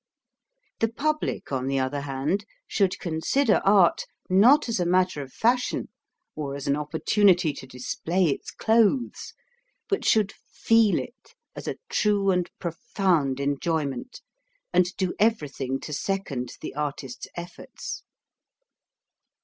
The public, on the other hand, should con sider art, not as a matter of fashion, or as an opportunity to display its clothes, but should feel it as a true and profound enjoyment, and do everything to second the artist's efforts.